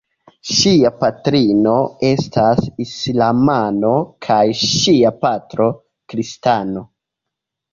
Ŝia patrino estas islamano kaj ŝia patro kristano.